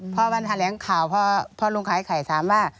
พอวันแถลงข่าวพอลุงขายไข่ถามว่า